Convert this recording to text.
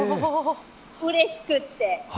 うれしくって。